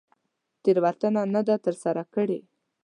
تېروتنه نه ده تر سره کړې.